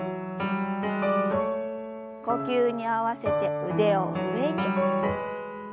呼吸に合わせて腕を上に。